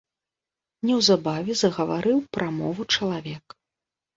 Неўзабаве загаварыў прамову чалавек.